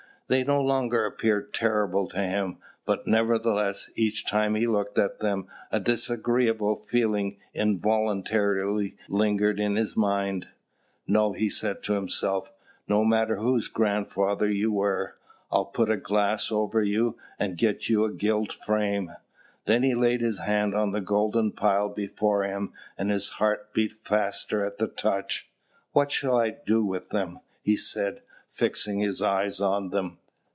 They no longer appeared terrible to him; but, nevertheless, each time he looked at them a disagreeable feeling involuntarily lingered in his mind. "No," he said to himself, "no matter whose grandfather you were, I'll put a glass over you, and get you a gilt frame." Then he laid his hand on the golden pile before him, and his heart beat faster at the touch. "What shall I do with them?" he said, fixing his eyes on them.